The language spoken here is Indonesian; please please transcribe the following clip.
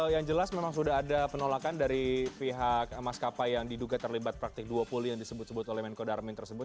yang jelas memang sudah ada penolakan dari pihak maskapai yang diduga terlibat praktik duopoli yang disebut sebut oleh menko darmin tersebut